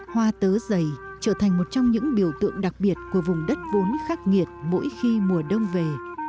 hoa tớ dày trở thành một trong những biểu tượng đặc biệt của vùng đất vốn khắc nghiệt mỗi khi mùa đông về